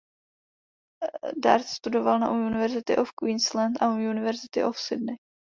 Dart studoval na "University of Queensland" a "University of Sydney".